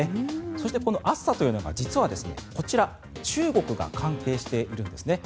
そして、この暑さというのが実は、こちら中国が関係しているんですね。